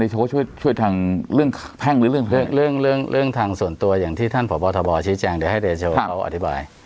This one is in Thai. ช่วยทางเรื่องทางส่วนตัวอย่างที่ท่านพระบาทธบชิ้นแจ้งเดี๋ยวให้เดชโฮเขาอธิบาย